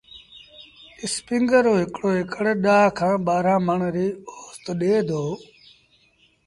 اسپيٚنگر رو هڪڙو اڪڙ ڏآه کآݩ ٻآهرآݩ مڻ ريٚ اوست ڏي دو۔